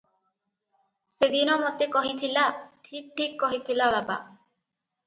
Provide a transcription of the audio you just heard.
ସେଦିନ ମୋତେ କହିଥିଲା- ଠିକ୍ ଠିକ୍ କହିଥିଲା-ବାବା!